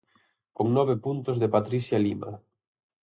Con nove puntos de Patricia Lima.